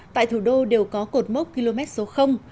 tại thủ đô đều có cột mốc km số